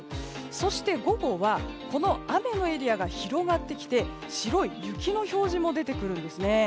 そして、午後はこの雨のエリアが広がってきて白い雪の表示も出てくるんですね。